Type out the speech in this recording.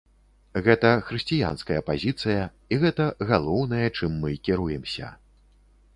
Гэта хрысціянская пазіцыя, і гэта галоўнае, чым мы кіруемся.